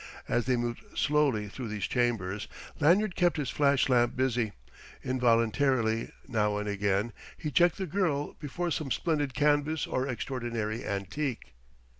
As they moved slowly through these chambers Lanyard kept his flash lamp busy; involuntarily, now and again, he checked the girl before some splendid canvas or extraordinary antique.